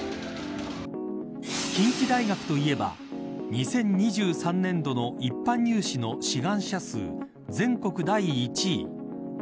近畿大学といえば２０２３年度の一般入試の志願者数全国第１位。